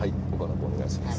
お願いします。